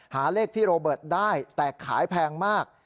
หาเลขพี่โรเบิร์ตได้แต่ขายแพงมาก